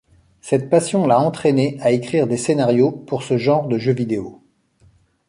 Cette passion l'a entraîné a écrire des scénarios pour ce genre de jeux vidéo.